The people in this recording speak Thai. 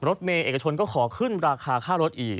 รถเมย์เอกชนก็ขอขึ้นราคาค่ารถอีก